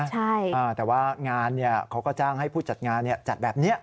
แต่ว่างานเขาก็จ้างให้ผู้จัดงานจัดแบบนี้